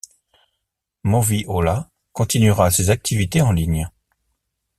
Movieola continuera ses activités en ligne.